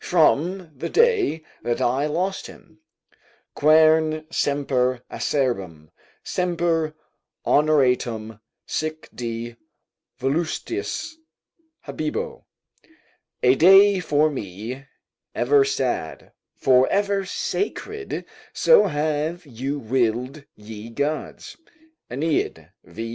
From the day that I lost him: "Quern semper acerbum, Semper honoratum (sic, di, voluistis) habebo," ["A day for me ever sad, for ever sacred, so have you willed ye gods." AEneid, v.